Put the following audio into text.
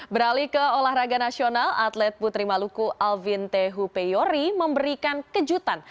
beralih ke olahraga nasional atlet putri maluku alvin tehupeyori memberikan kejutan